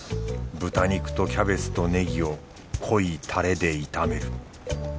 豚肉とキャベツとネギを濃いタレで炒める。